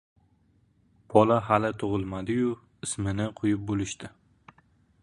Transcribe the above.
• Bola hali tug‘ilmadi-yu, ismini qo‘yib bo‘lishdi.